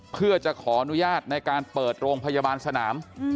เพื่อจะขออนุญาตในการเปิดโรงพยาบาลสนาม